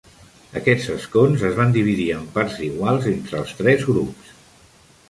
Aquests escons es van dividir en parts iguals entre els tres grups.